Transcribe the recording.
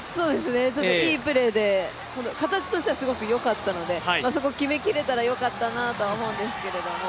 いいプレーで形としてはすごくよかったのでそこは決めきれたらよかったなとは思うんですが。